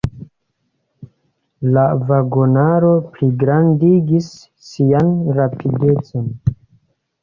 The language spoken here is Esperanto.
La vagonaro pligrandigis sian rapidecon.